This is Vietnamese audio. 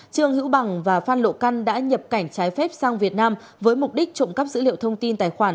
trương hữu bằng và phan lộ căn đã nhập cảnh trái phép sang việt nam với mục đích trộm cắp dữ liệu thông tin tài khoản